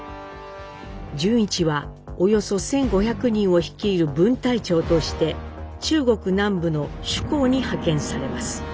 潤一はおよそ１，５００人を率いる分隊長として中国南部の珠江に派遣されます。